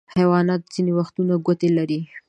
حیوانات ځینې وختونه ګوتې لري.